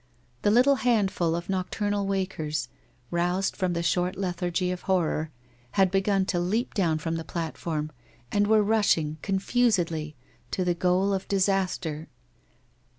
The little handful of nocturnal wakers, roused from their short lethargy of horror, had begun to leap down from the platform, and were rushing, confusedly, to the goal of disaster.